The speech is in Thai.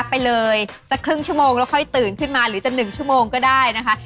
ไปเลยสักครึ่งชั่วโมงแล้วค่อยตื่นขึ้นมาหรือจะ๑ชั่วโมงก็ได้นะคะ